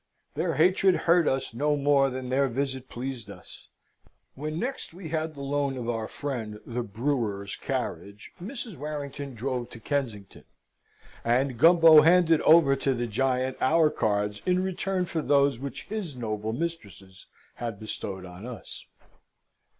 Their hatred hurt us no more than their visit pleased us. When next we had the loan of our friend the Brewer's carriage Mrs. Warrington drove to Kensington, and Gumbo handed over to the giant our cards in return for those which his noble mistresses had bestowed on us.